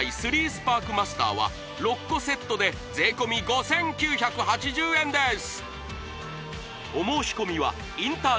３スパークマスターは６個セットで税込５９８０円です